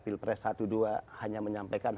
pilpres satu dua hanya menyampaikan